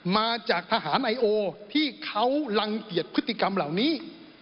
มาจากทหารไอโอที่เขารังเกียจพฤติกรรมเหล่านี้